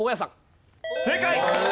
正解！